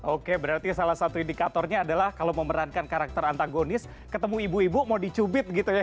oke berarti salah satu indikatornya adalah kalau memerankan karakter antagonis ketemu ibu ibu mau dicubit gitu ya